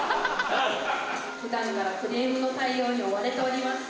普段からクレームの対応に追われております。